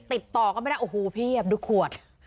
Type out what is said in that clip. ติดต่อก็ไม่ได้โอ้โหพี่ดูขวด